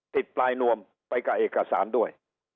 ติดปลายนวมไปกับเอกสารด้วย